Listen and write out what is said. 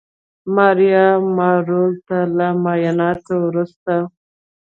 ماریا مارلو ته له معاینانو وروسته